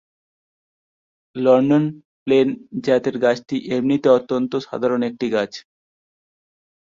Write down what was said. London plane জাতের গাছটি এমনিতে অত্যন্ত সাধারণ একটি গাছ।